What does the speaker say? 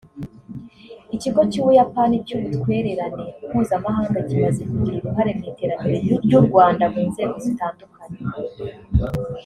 Ikigo cy’u Buyapani cy’ubutwererane mpuzamamahanga kimaze kugira uruhare mu iterambere ry’u Rwanda mu nzego zitandukanye